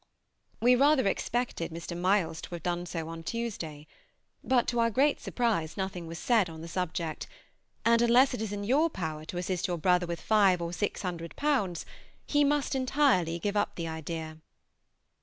We rather expected Mr. Milles to have done so on Tuesday; but to our great surprise nothing was said on the subject, and unless it is in your power to assist your brother with five or six hundred pounds, he must entirely give up the idea.